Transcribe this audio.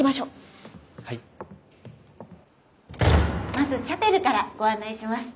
まずチャペルからご案内します。